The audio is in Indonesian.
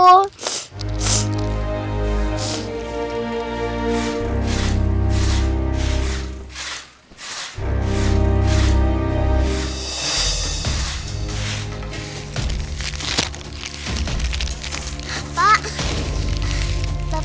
anggap kakak nanti kebun